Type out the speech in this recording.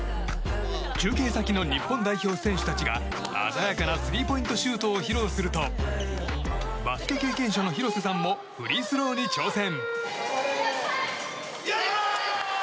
中継先の日本代表選手たちが鮮やかなスリーポイントシュートを披露するとバスケ経験者の広瀬さんもフリースローに挑戦。